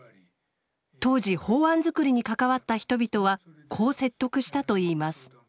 当時法案づくりに関わった人々はこう説得したといいます。